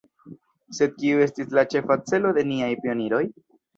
Sed kiu estis la ĉefa celo de niaj pioniroj?